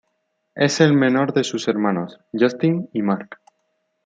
Es el menor de sus hermanos, Justin y Marc.